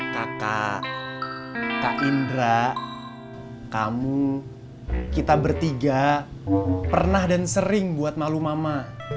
kakak kak indra kamu kita bertiga pernah dan sering buat malu mama